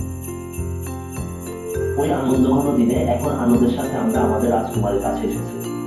ঐ আনন্দঘন দিনে এখন আনন্দের সাথে আমরা আমাদের রাজকুমারীর কাছে এসেছি।